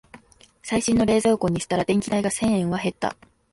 最新の冷蔵庫にしたら電気代が千円は減った